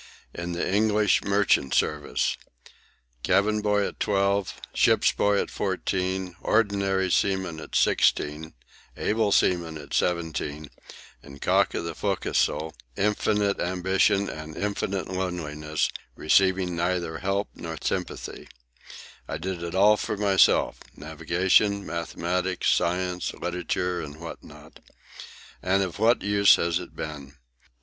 "In the English merchant service. Cabin boy at twelve, ship's boy at fourteen, ordinary seaman at sixteen, able seaman at seventeen, and cock of the fo'c'sle, infinite ambition and infinite loneliness, receiving neither help nor sympathy, I did it all for myself—navigation, mathematics, science, literature, and what not. And of what use has it been?